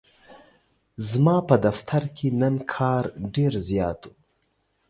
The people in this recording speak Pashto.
ځماپه دفترکی نن کار ډیرزیات و.